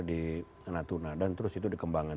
di natuna dan terus itu dikembangkan